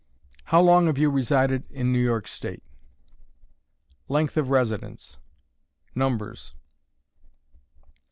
_ HOW LONG HAVE YOU RESIDED IN NEW YORK STATE? Length of Residence. Numbers.